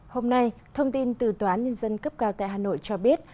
hôm nay thông tin từ toán nhân dân cấp cao tại hà nội cho biết